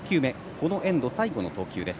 このエンド最後の投球です。